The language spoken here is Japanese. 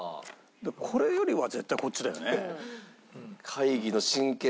これよりは絶対こっちだよね。